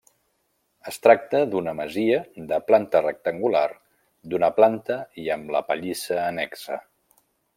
Es tracta d'una masia de planta rectangular d'una planta i amb la pallissa annexa.